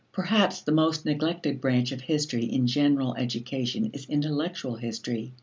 Perhaps the most neglected branch of history in general education is intellectual history.